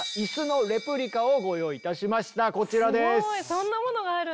そんなものがあるんだ。